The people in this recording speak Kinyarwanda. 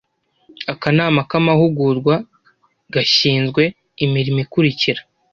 akanama k'amahugurwa gashyinzwe imirimo ikurikira